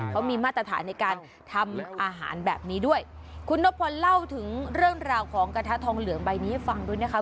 เขามีมาตรฐานในการทำอาหารแบบนี้ด้วยคุณนพลเล่าถึงเรื่องราวของกระทะทองเหลืองใบนี้ให้ฟังด้วยนะคะ